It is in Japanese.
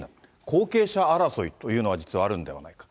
後継者争いというのが実はあるんではないか。